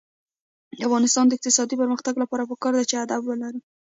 د افغانستان د اقتصادي پرمختګ لپاره پکار ده چې ادب ولرو.